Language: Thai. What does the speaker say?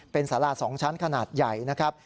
เป็นสารา๒ชั้นขนาดใหญ่นะครับ